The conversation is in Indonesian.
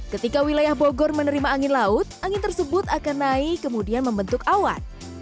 ketika wilayah bogor menerima angin laut angin tersebut akan naik kemudian membentuk awan